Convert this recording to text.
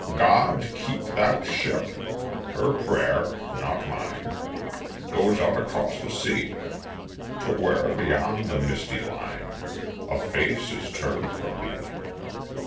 God keep that ship! Her prayer, not mine, Goes out across the sea To where beyond the misty line A face is turned from me.